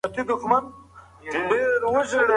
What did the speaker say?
تاسو بايد د دې سړي له پوهې څخه عبرت واخلئ.